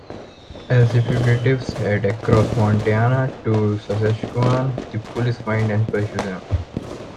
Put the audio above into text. As the fugitives head across Montana to Saskatchewan, the police find and pursue them.